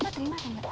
terima atau enggak